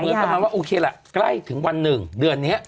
ประมาณว่าโอเคล่ะใกล้ถึงวันหนึ่งเดือนนี้